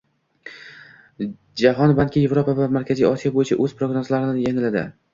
Jahon banki Evropa va Markaziy Osiyo bo'yicha o'z prognozlarini yangiladi